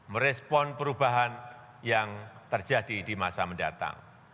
merespon perubahan yang terjadi di masa mendatang